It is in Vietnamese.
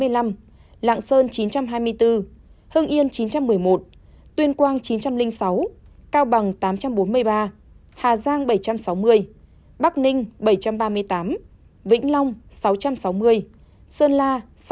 lạng sơn chín trăm hai mươi bốn hương yên chín trăm một mươi một tuyên quang chín trăm linh sáu cao bằng tám trăm bốn mươi ba hà giang bảy trăm sáu mươi bắc ninh bảy trăm ba mươi tám vĩnh long sáu trăm sáu mươi sơn la sáu trăm ba mươi bảy